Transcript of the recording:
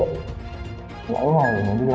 nãy ngày mình đi làm ăn rồi đúng lúc gối vị cao